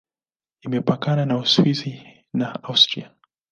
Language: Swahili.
Imepakana na Uswisi na Austria.